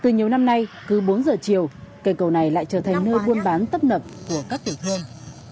từ nhiều năm nay cứ bốn giờ chiều cây cầu này lại trở thành nơi buôn bán tấp nập của các tiểu thương